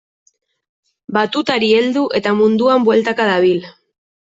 Batutari heldu eta munduan bueltaka dabil.